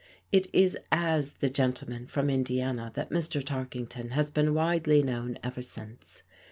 It is as the Gentleman from Indiana that Mr. Tarkington has been widely known ever since.